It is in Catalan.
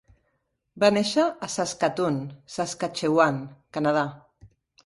Va néixer a Saskatoon, Saskatchewan, Canadà.